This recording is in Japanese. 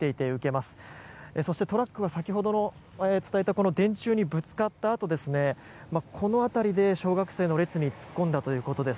そしてトラックは先ほど伝えた電柱にぶつかったあとこの辺りで小学生の列に突っ込んだということです。